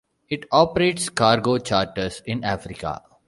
It operates cargo charters in Africa.